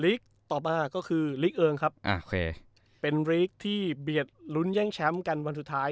รีกต่อมาก็คืออ่าเคยเป็นที่เพียร์รุ้นแย่งแชมป์กันวันสุดท้าย